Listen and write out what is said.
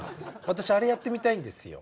私あれやってみたいんですよ。